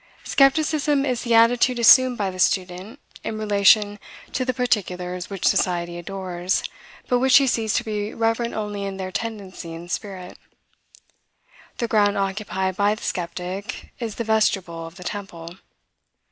Skepticism is the attitude assumed by the student in relation to the particulars which society adores, but which he sees to be reverent only in their tendency and spirit. The ground occupied by the skeptic is the vestibule of the temple.